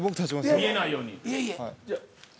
見えないように。